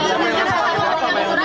di pemerintah tidak dikamis